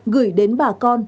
gửi đến bà con